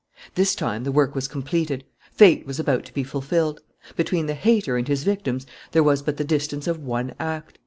... "This time the work was completed. Fate was about to be fulfilled. Between the 'hater' and his victims there was but the distance of one act.